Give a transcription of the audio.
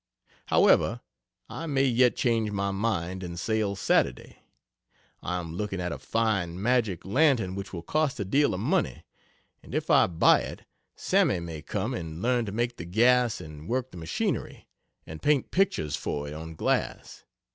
However, I may yet change my mind and sail Saturday. I am looking at a fine Magic lantern which will cost a deal of money, and if I buy it Sammy may come and learn to make the gas and work the machinery, and paint pictures for it on glass.